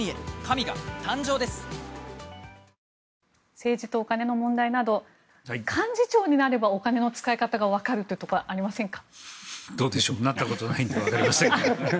政治と金の問題など幹事長になればお金の使い方がわかるというところはありませんか？